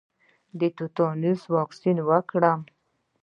د تیتانوس واکسین وکړم؟